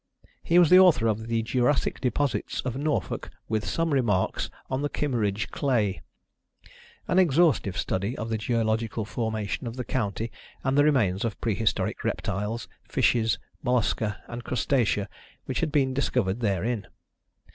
He was the author of The Jurassic Deposits of Norfolk, with Some Remarks on the Kimeridge Clay an exhaustive study of the geological formation of the county and the remains of prehistoric reptiles, fishes, mollusca and crustacea which had been discovered therein.